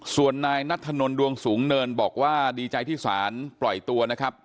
ส่วนนายนัทธนลดวงสูงเนินบอกว่าดีใจที่สารปล่อยตัวนะครับ